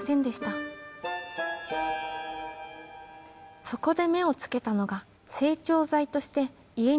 そこで目をつけたのが整腸剤として家に置いてあった薬です。